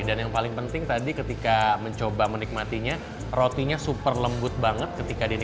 dan yang paling penting tadi ketika mencoba menikmatinya rotinya super lembut banget